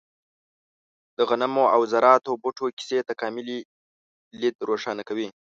د غنمو او ذراتو بوټو کیسې تکاملي لید روښانه کوي.